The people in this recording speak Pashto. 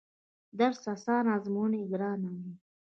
درس اسان ازمون يې ګران دی